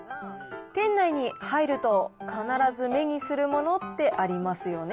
店内に入ると必ず目にするものってありますよね。